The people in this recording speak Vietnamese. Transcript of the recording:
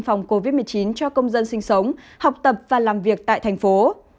phòng covid một mươi chín cho công dân sinh sống học tập và làm việc tại thành phố